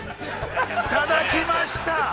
◆いただきました。